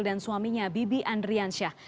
dan suaminya bibi andriansyah